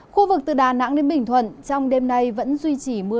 khu vực từ đà nẵng đến bình thuận trong đêm nay vẫn duy trì mưa